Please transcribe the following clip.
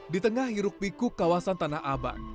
di tengah hiruk pikuk kawasan tanah abang